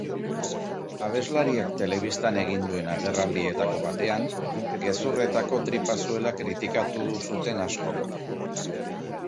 Abeslariak telebistan egin duen agerraldietako batean, gezurretako tripa zuela kritikatu zuten askok.